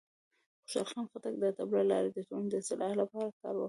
خوشحال خان خټک د ادب له لارې د ټولنې د اصلاح لپاره کار وکړ.